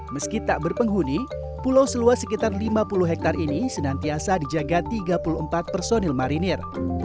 meski tak berpenghuni pulau seluas sekitar lima puluh hektare ini senantiasa dijaga tiga puluh empat personil marinir